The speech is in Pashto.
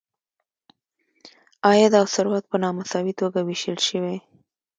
عاید او ثروت په نا مساوي توګه ویشل شوی.